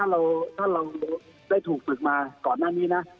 ถ้าเราได้ถูกฝึกมาก่อนหน้านี้นะ